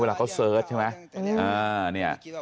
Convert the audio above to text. เวลาเขาเสิร์ชใช่ไหม